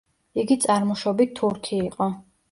იგი წარმოშობით თურქი იყო.